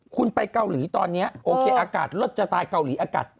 คุณไปเกาหลีตอนนี้โอเคอากาศรถจะตายเกาหลีอากาศ